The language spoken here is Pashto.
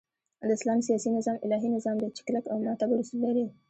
د اسلام سیاسی نظام الهی نظام دی چی کلک او معتبر اصول لری